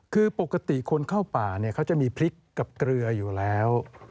คือปกติคนเข้าป่าเนี่ยเขาจะมีพริกกับเกลืออยู่แล้ว